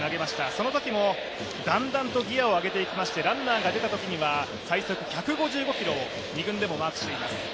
そのときもだんだんとギアを上げていきまして、ランナーが出たときには最速１５５キロをファームでもマークしています。